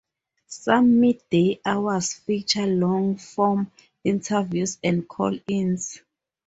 Some midday hours feature longer-form interviews and call-ins.